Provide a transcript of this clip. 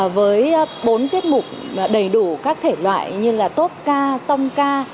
với bốn tiết mục đầy đủ các thể loại như là tốt ca song ca